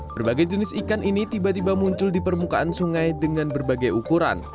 berbagai jenis ikan ini tiba tiba muncul di permukaan sungai dengan berbagai ukuran